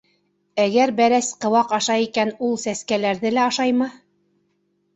Әгәр бәрәс ҡыуаҡ ашай икән, ул сәскәләрҙе лә ашаймы?